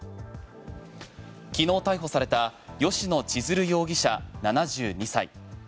昨日逮捕された吉野千鶴容疑者、７２歳。